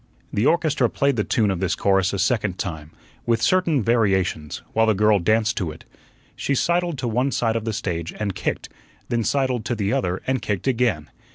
The orchestra played the tune of this chorus a second time, with certain variations, while the girl danced to it. She sidled to one side of the stage and kicked, then sidled to the other and kicked again.